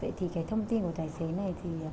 vậy thì cái thông tin của tài xế này thì